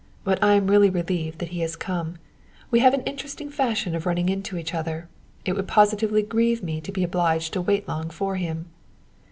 But I am really relieved that he has come. We have an interesting fashion of running into each other; it would positively grieve me to be obliged to wait long for him."